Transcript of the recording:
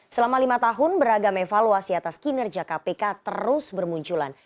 selama lima tahun beragam evaluasi atas kinerja kpk terus bermunculan